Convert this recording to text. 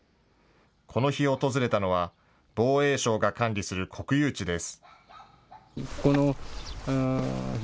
この日、訪れたのは防衛省が管理する国有地です。